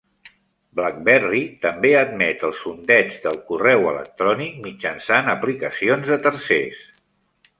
BlackBerry també admet el sondeig del correu electrònic mitjançant aplicacions de tercers.